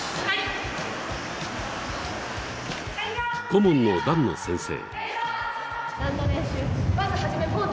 顧問の団野先生。